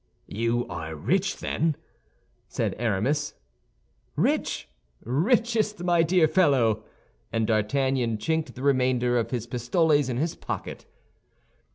"You are rich, then?" said Aramis. "Rich? Richest, my dear fellow!" And D'Artagnan chinked the remainder of his pistoles in his pocket.